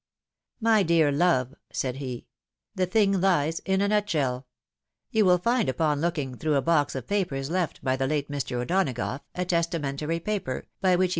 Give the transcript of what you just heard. " My dear love," said he, "the thing hes in a nutshell: you will find upon looking through a box of papers left by the late Mr. O'Donagough, a testamentary paper, by which he 30 THE WIDOW MARRIED.